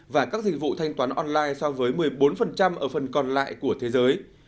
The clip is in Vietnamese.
và các dịch vụ thanh toán online so với một mươi bốn ở phần còn lại của thế giới